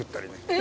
え！？